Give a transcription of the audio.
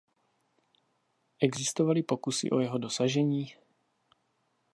Existovaly pokusy o jeho dosažení?